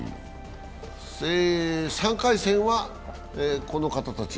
３回戦はこの方たち。